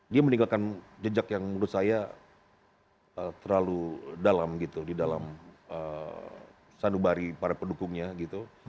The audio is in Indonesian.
dia meninggalkan jejak yang menurut saya terlalu dalam gitu di dalam sanubari para pendukungnya gitu